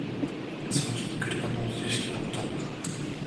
その日、車の持ち主と会うことはなかった